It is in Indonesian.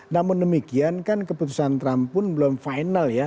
namun demikian kan keputusan trump pun belum final ya